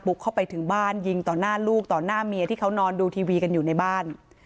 เข้าไปถึงบ้านยิงต่อหน้าลูกต่อหน้าเมียที่เขานอนดูทีวีกันอยู่ในบ้าน